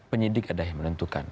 penyidik ada yang menentukan